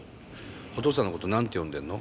お父さんのこと何て呼んでんの？